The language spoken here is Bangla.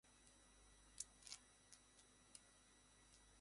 এরপরই তিনি জার্মানির ফুটবলার মেসুত ওজিলের সঙ্গে প্রেমের সম্পর্কে জড়িয়ে পড়েন।